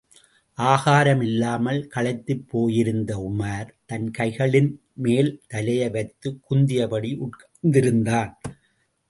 ஆகாரமில்லாமல் களைத்துப்போயிருந்த உமார், தன் கைகளின்மேல் தலையை வைத்துக் குந்தியபடி உட்கார்ந்திருந்தான்.